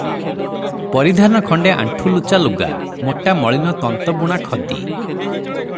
ପରିଧାନ ଖଣ୍ଡେ ଆଣ୍ଠୁଲୁଚା ଲୁଗା, ମୋଟା ମଳିନ ତନ୍ତ ବୁଣା ଖଦି ।